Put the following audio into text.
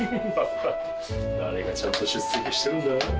誰がちゃんと出席してるんだ？